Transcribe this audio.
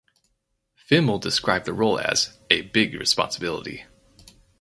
Fimmel described the role as "a big responsibility".